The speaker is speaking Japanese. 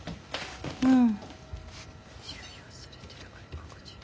うん。